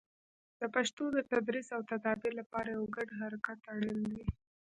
د پښتو د تدریس او تدابیر لپاره یو ګډ حرکت اړین دی.